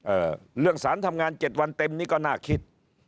เอ่อเรื่องสารทำงานเจ็ดวันเต็มนี่ก็น่าคิด